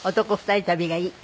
２人旅がいい？